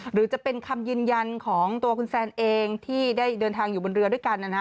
หรือจะเป็นคำยืนยันของตัวคุณแซนเองที่ได้เดินทางอยู่บนเรือด้วยกัน